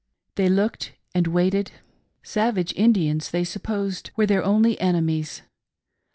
They looked and waited. Savage Indians they supposed were their only ene mies.